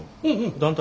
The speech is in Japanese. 団体？